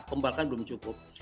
pembalikan belum cukup